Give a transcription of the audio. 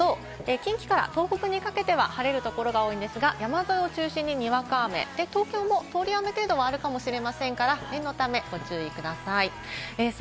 近畿から東北にかけては晴れるところが多いですが、山沿いを中心ににわか雨、東京も通り雨程度はあるかもしれませんから、念のためご注意ください。